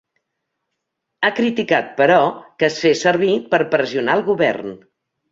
Ha criticat però, que es fes servir per a pressionar el govern.